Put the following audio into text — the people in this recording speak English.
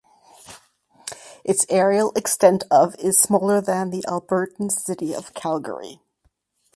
Its areal extent of is smaller than the Albertan city of Calgary.